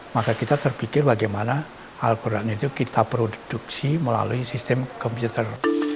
maka kita terpikir bagaimana al quran itu kita produksi melalui sistem komputer